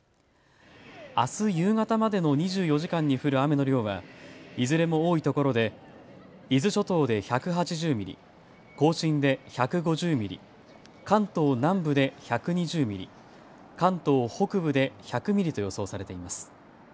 あす夕方までの２４時間に降る雨の量はいずれも多いところで伊豆諸島で１８０ミリ、甲信で１５０ミリ、関東南部で１２０ミリ、関東北部で１００ミリと予想されています。